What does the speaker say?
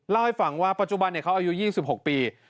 เล่าให้ฟังว่าปัจจุบันเขาอายุ๒๖ปี